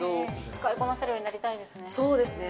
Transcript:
使いこなせるようになりたいそうですね。